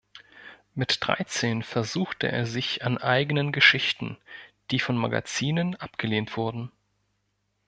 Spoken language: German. Mit dreizehn versuchte er sich an eigenen Geschichten, die von Magazinen abgelehnt wurden.